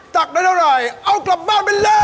ตักได้น้ำหนักเอากลับบ้านไปเลย